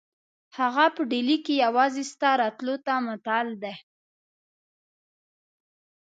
هغه په ډهلي کې یوازې ستا راتلو ته معطل دی.